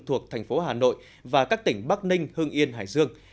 thuộc thành phố hà nội và các tỉnh bắc ninh hưng yên hải dương